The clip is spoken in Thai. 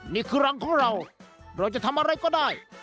นี่คือรังของเราเราจะทำอะไรก็ได้